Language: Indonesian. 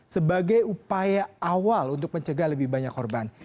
sebagai upaya awal untuk mencegah lebih banyak korban